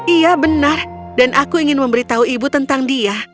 iya benar dan aku ingin memberitahu ibu tentang dia